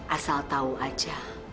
asal tahu aja